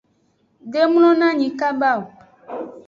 De mlonanyi kaba.